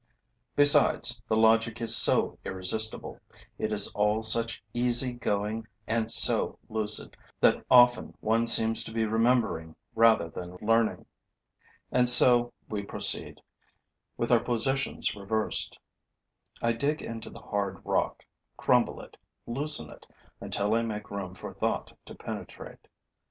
Besides, the logic is so irresistible, it is all such easy going and so lucid that often one seems to be remembering rather than learning. And so we proceed, with our positions reversed. I dig into the hard rock, crumble it, loosen it until I make room for thought to penetrate.